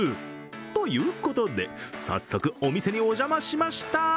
ということで、早速、お店にお邪魔しました。